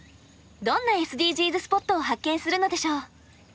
どんなＳＤＧｓスポットを発見するのでしょう。